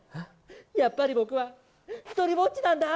やっぱり僕は一人ぼっちなんだ。